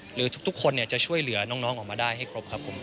หรือทุกคนจะช่วยเหลือน้องออกมาได้ให้ครบครับผม